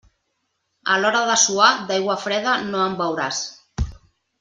A l'hora de suar, d'aigua freda no en beuràs.